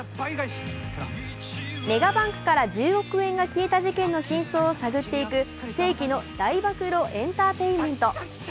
メガバンクから１０億円が消えた事件の真相を探っていく世紀の大暴露エンターテインメント。